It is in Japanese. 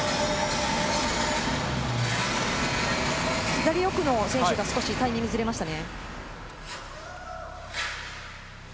左奥の選手が少しタイミングがズレましたね。